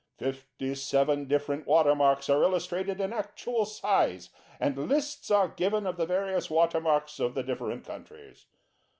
Fifty seven different watermarks are illustrated in actual size, and lists are given of the various watermarks of the different countries.